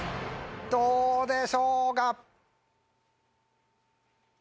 どうでしょうか？